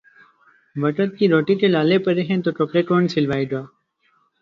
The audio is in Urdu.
وقت کی روٹی کے لالے پڑے ہیں تو کپڑے کون سلوائے گا